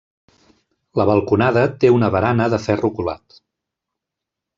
La balconada té una barana de ferro colat.